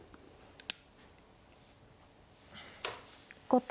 後手